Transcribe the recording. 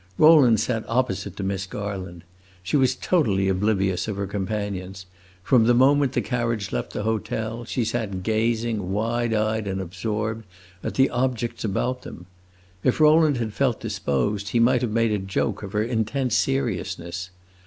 Rowland sat opposite to Miss Garland. She was totally oblivious of her companions; from the moment the carriage left the hotel, she sat gazing, wide eyed and absorbed, at the objects about them. If Rowland had felt disposed he might have made a joke of her intense seriousness.